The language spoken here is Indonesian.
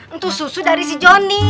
itu susu dari si jonny